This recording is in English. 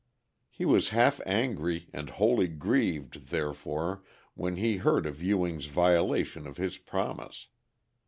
He was half angry and wholly grieved, therefore, when he heard of Ewing's violation of his promise.